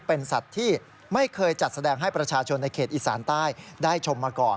เป็นสัตว์ที่ไม่เคยจัดแสดงให้ประชาชนในเขตอีสานใต้ได้ชมมาก่อน